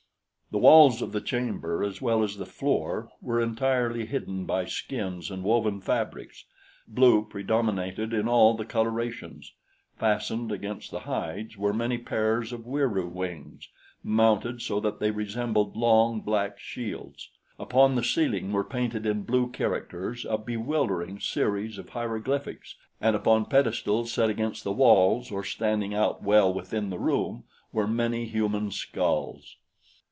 The walls of the chamber as well as the floor were entirely hidden by skins and woven fabrics. Blue predominated in all the colorations. Fastened against the hides were many pairs of Wieroo wings, mounted so that they resembled long, black shields. Upon the ceiling were painted in blue characters a bewildering series of hieroglyphics and upon pedestals set against the walls or standing out well within the room were many human skulls.